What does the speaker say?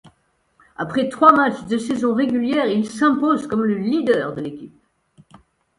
Après trois matchs de saison régulière, il s'impose comme le leader de l'équipe.